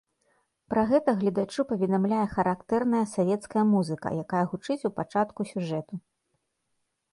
Пра гэта гледачу паведамляе характэрна савецкая музыка, якая гучыць у пачатку сюжэту.